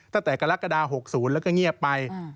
ตั้งแต่กรกฎา๖๐ก็เงียบไป